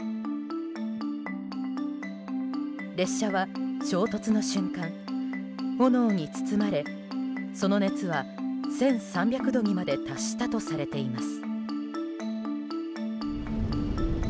列車は衝突の瞬間、炎に包まれその熱は１３００度にまで達したとされています。